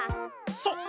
そう。